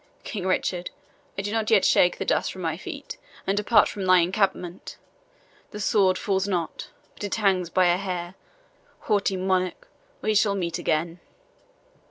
King Richard, I do not yet shake the dust from my feet and depart from thy encampment; the sword falls not but it hangs but by a hair. Haughty monarch, we shall meet again."